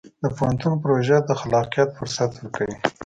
د پوهنتون پروژه د خلاقیت فرصت ورکوي.